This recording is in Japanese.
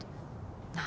何？